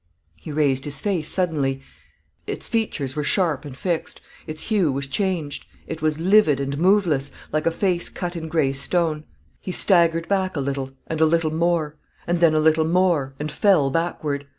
He raised his face suddenly: its features were sharp and fixed; its hue was changed; it was livid and moveless, like a face cut in gray stone. He staggered back a little and a little more, and then a little more, and fell backward.